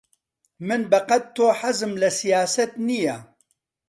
من بەقەد تۆ حەزم لە سیاسەت نییە.